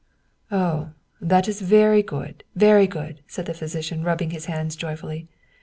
" Oh, that is very good, very good !" said the physician, rubbing his hands joyfully.